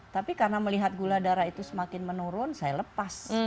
tapi karena melihat gula darah itu semakin menurun saya lepas